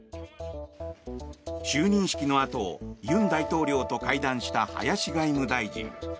就任式のあと尹大統領と会談した林外務大臣。